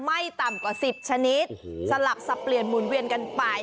ไม่ต่ำกว่า๑๐ชนิดสลับสับเปลี่ยนหมุนเวียนกันไป